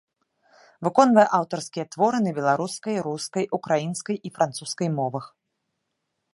Выконвае аўтарскія творы на беларускай, рускай, украінскай і французскай мовах.